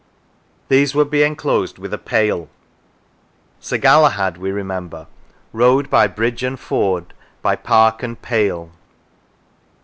These would be enclosed with a pale. Sir Galahad, we remember, rode " by bridge and ford, by park and pale."